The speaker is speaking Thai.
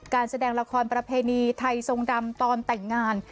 แสดงละครประเพณีไทยทรงดำตอนแต่งงาน